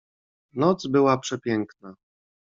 "Noc była przepiękna."